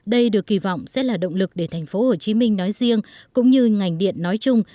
đây được kỳ vọng sẽ là động lực để tp hcm nói riêng cũng như ngành điện nói chung